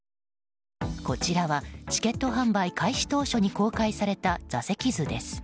こちらはチケット販売開始当初に公開された座席図です。